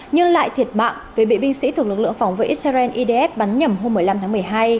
nhưng lại thiệt mạng vì bị binh sĩ thuộc lực lượng phòng vệ israel idf bắn nhầm hôm một mươi năm tháng một mươi hai